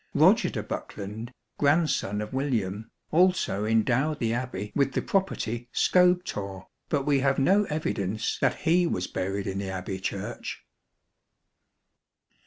Roger de Bokelond, grandson of William, also endowed the Abbey with the property Scobethorre, but we have no evidence that he was buried in the Abbey Church.